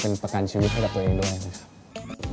เป็นประกันชีวิตให้กับตัวเองด้วยนะครับ